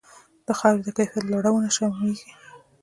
د خاورې د کیفیت لوړونه شاملیږي.